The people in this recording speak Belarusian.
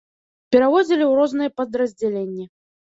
Пераводзілі ў розныя падраздзяленні.